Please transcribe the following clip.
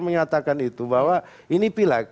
mengatakan itu bahwa ini pilih